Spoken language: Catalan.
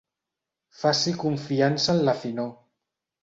Faci confiança en la finor.